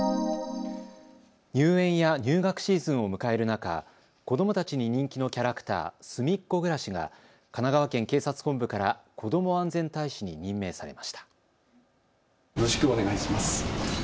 入園や入学シーズンを迎える中、子どもたちに人気のキャラクター、すみっコぐらしが神奈川県警察本部から子供安全大使に任命されました。